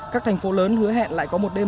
các thành phố lớn hứa hẹn lại có một đêm